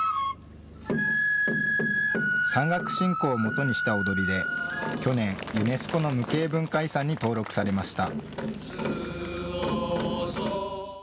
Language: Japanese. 山岳信仰をもとにした踊りで去年、ユネスコの無形文化遺産に登録されました。